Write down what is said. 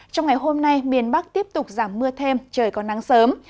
trong ngày hôm nay miền bắc tiếp tục giảm mưa thêm trời còn nắng sớm